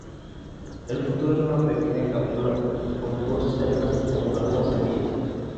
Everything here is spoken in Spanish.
El fruto es una pequeña cápsula con dos celdas con numerosas semillas.